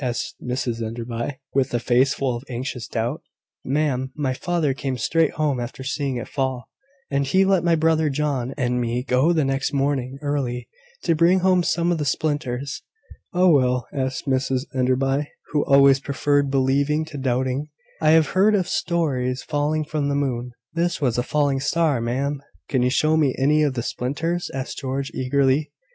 asked Mrs Enderby, with a face full of anxious doubt. "Ma'am, my father came straight home after seeing it fall, and he let my brother John and me go the next morning early, to bring home some of the splinters." "Oh, well," said Mrs Enderby, who always preferred believing to doubting; "I have heard of stones falling from the moon." "This was a falling star, ma'am." "Can you show me any of the splinters?" asked George, eagerly.